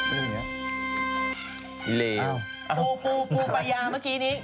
ปูปูปูไปยาเมื่อกี้นี้